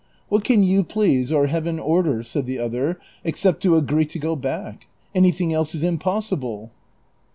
" What can you please or Heaven order," said the other, " ex cept to agree to go back ? Anything else is impossible."